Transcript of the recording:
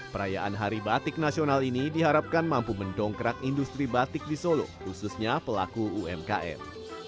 perayaan hari batik nasional ini diharapkan mampu mendongkrak industri batik di solo khususnya pelaku umkm